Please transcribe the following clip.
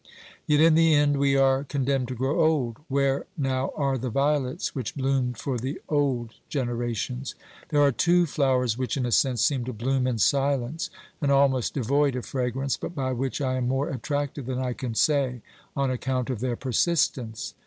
Yet in the end we are con demned to grow old. Where now are the violets which bloomed for the old generations ? There are two flowers which, in a sense, seem to bloom in silence and almost devoid of fragrance, but by which I am more attracted than I can say on account of their persistence.